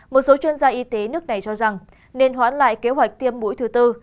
một số chuyên gia y tế nước này cho rằng nên hoãn lại kế hoạch tiêm mũi thứ tư